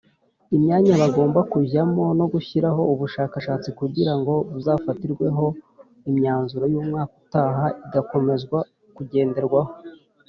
Imyanya bagomba kujyamo no gushyiraho ubushakashatsi kugira ngo buzafatirweho imyanzuro y’umwaka utaha igakomezwa kuzagenderwaho.